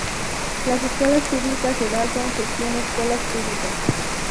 Las Escuelas Públicas de Dalton gestiona escuelas públicas.